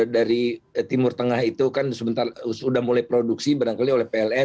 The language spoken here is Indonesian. dari timur tengah itu kan sebentar sudah mulai produksi barangkali oleh pln